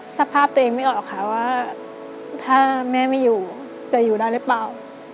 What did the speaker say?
สภาพตัวเองไม่ออกค่ะว่าถ้าแม่ไม่อยู่จะอยู่ได้หรือเปล่า